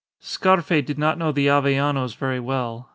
Scarfe did not know the Avellanos very well.